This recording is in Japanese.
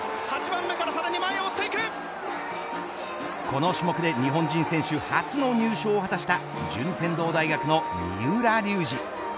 この種目で日本人選手初の入賞を果たした順天堂大学の三浦龍司。